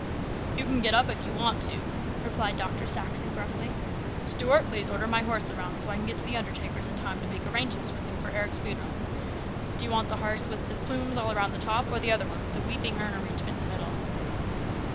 " You can get up if you want to," replied Dr. Saxon gruffly. " Stuart, please order my horse around, so that I can get to the undertaker's in time to make arrangements with him for Eric's funeral. Do you want the hearse with the black plumes all round the top, or the other one with the weeping urn arrangement in the middle